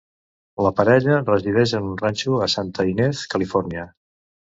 La parella resideix en un ranxo a Santa Ynez, Califòrnia.